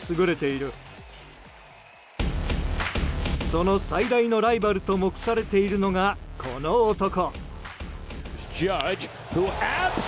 その最大のライバルと目されているのがこの男。